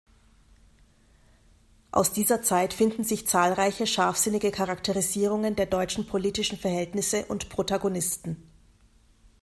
Aus dieser Zeit finden sich zahlreiche scharfsinnige Charakterisierungen der deutschen politischen Verhältnisse und Protagonisten.